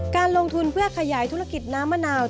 การลงทุนเพื่อขยายธุรกิจน้ำมะนาว